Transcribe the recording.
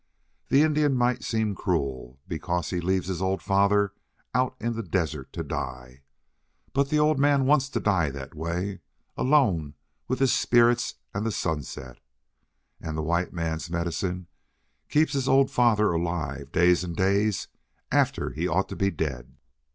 The Indian might seem cruel because he leaves his old father out in the desert to die. But the old man wants to die that way, alone with his spirits and the sunset. And the white man's medicine keeps his old father alive days and days after he ought to be dead.